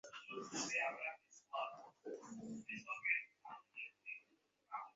তিনি সব সময়ই বঞ্চিত শ্রেণির পাশে দাঁড়িয়েছেন।